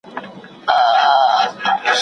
پانګي په اقتصادي پرمختيا کي خپل رول لوباوه.